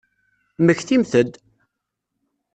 Mmektimt-d!